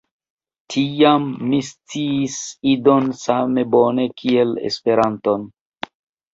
Tiam mi sciis Idon same bone kiel Esperanton.